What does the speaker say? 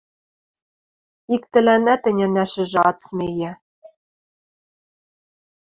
Иктӹлӓнӓт ӹнянӓшӹжӹ ат смейӹ.